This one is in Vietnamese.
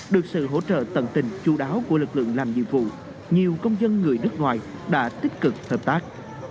được sự hỗ trợ tận tình chú đáo của lực lượng làm nhiệm vụ nhiều công dân người nước ngoài đã tích cực hợp tác